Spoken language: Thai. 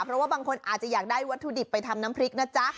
เพราะว่าบางคนอาจจะอยากได้วัตถุดิบไปทำน้ำพริกนะจ๊ะ